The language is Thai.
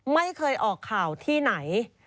ไม่เคยออกข่าวที่ไหน